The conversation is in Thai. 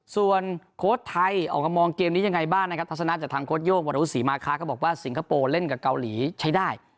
ส่วนโค้ชไทยออกมามองเกมนี้ยังไงบ้างนะครับทัศนะจากทางโค้ดโย่งวรวุฒิศรีมาคะก็บอกว่าสิงคโปร์เล่นกับเกาหลีใช้ได้